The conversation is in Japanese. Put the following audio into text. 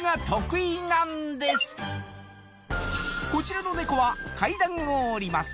こちらのネコは階段をおります